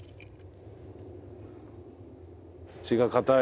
土が硬い？